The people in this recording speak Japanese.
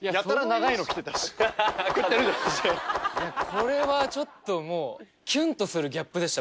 これはちょっともうでした